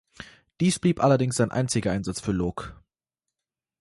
Dies blieb allerdings sein einziger Einsatz für Lok.